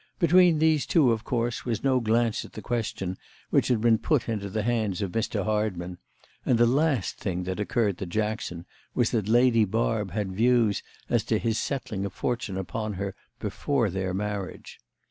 Between these two of course was no glance at the question which had been put into the hands of Mr. Hardman, and the last thing that occurred to Jackson was that Lady Barb had views as to his settling a fortune upon her before their marriage.